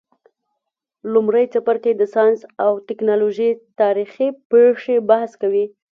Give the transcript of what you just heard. لمړی څپرکی د ساینس او تکنالوژۍ تاریخي پیښي بحث کوي.